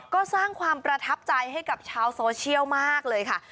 ก็สร้างความประทับใจให้กับชาวโซเชียลมากเลยค่ะ